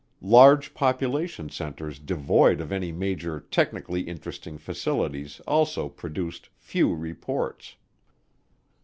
Large population centers devoid of any major "technically interesting" facilities also produced few reports.